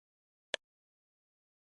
ټپي ته مهرباني درملنه ده.